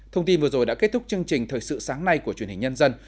thông tin vừa rồi đã kết thúc chương trình thời sự sáng nay của truyền hình nhân dân